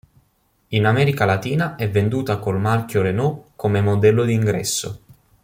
In America latina è venduta col marchio Renault come modello d'ingresso.